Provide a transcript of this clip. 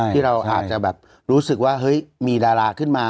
ที่เราอาจจะรู้สึกว่ามีดาราขึ้นมา